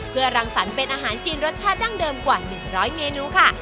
เพื่อรังสรรค์เป็นอาหารจีนรสชาติดั้งเดิมกว่า๑๐๐เมนูค่ะ